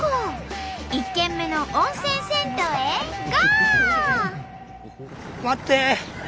１軒目の温泉銭湯へゴー！